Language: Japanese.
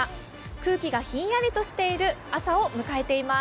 空気がひんやりとしている朝を迎えています。